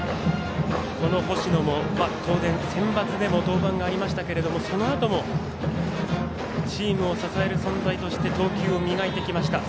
星野もセンバツでも登板ありましたけれどもそのあともチームを支える存在としてやってきましたね。